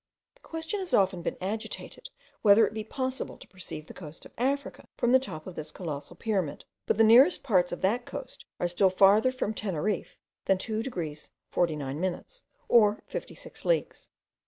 The question has often been agitated, whether it be possible to perceive the coast of Africa from the top of this colossal pyramid; but the nearest parts of that coast are still farther from Teneriffe than 2 degrees 49 minutes, or 56 leagues.